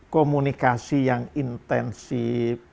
komunikasi yang intensif